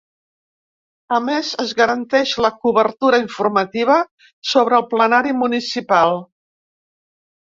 A més, es garanteix la cobertura informativa sobre el plenari municipal.